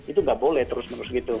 itu nggak boleh terus menerus gitu